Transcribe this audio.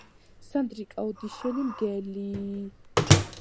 სანდრიკა ოდიშელი მგელიიი